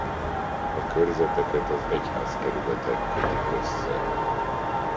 A körzeteket az egyházkerületek kötik össze.